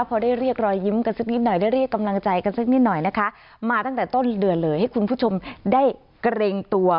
พอได้เรียกรอยยิ้มกันสักนิดหน่อยได้เรียกกำลังใจกันสักนิดหน่อยนะคะมาตั้งแต่ต้นเดือนเลยให้คุณผู้ชมได้เกรงตัว